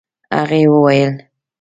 هغې وويل: